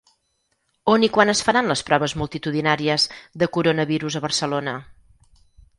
On i quan es faran les proves multitudinàries de coronavirus a Barcelona?